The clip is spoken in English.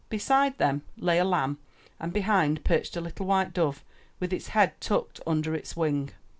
Beside them lay a lamb and behind perched a little white dove with its head tucked under its wing.